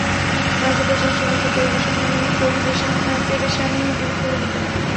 রাজ্য পরিচালনার সকল পেরেশানী দূর করে দিতেন।